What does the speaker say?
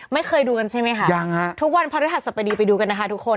ไม่เคยดูกันใช่มั้ยค่ะทุกวันพระรุทัศน์สรรพดีไปดูกันนะคะทุกคน